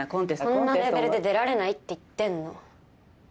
こんなレベルで出られないって言ってんの。